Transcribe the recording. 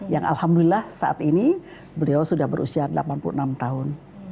yang alhamdulillah saat ini beliau sudah berusia delapan puluh enam tahun